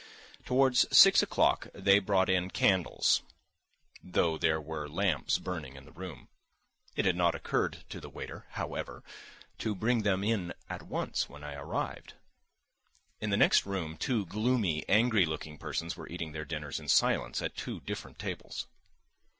Towards six o'clock they brought in candles, though there were lamps burning in the room. It had not occurred to the waiter, however, to bring them in at once when I arrived. In the next room two gloomy, angry looking persons were eating their dinners in silence at two different tables.